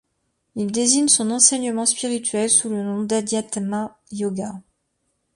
Il désigne son enseignement spirituel sous le nom d'Adhyatma yoga.